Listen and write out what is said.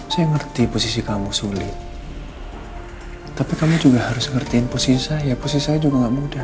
saya ngerti posisi kamu sulit tapi kami juga harus ngertiin posisi saya posisi saya juga gak mudah